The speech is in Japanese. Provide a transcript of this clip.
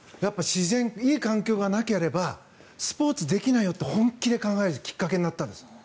自然、いい環境がなければスポーツできないよって本気で考えるきっかけになったんです。